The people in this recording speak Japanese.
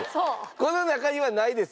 この中にはないです。